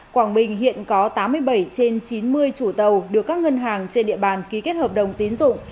quảng bình hiện có tám mươi bảy trên chín mươi chủ tàu được các ngân hàng trên địa bàn ký kết hợp đồng tín dụng